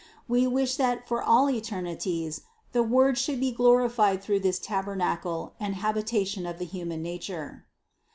We wish that for all eternities the Word should be glorified through this tabernacle and habitation of the human nature."